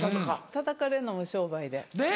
たたかれるのも商売で。ねぇ。